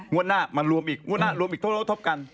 งวดหน้ามารวมอีกงวดหน้ารวมอีกทบกัน